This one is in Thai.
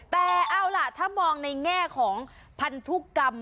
แต่เอาล่ะถ้ามองในแง่ของพันธุกรรม